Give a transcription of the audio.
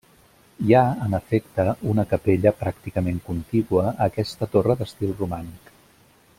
Hi ha, en efecte, una capella pràcticament contigua a aquesta torre d'estil romànic.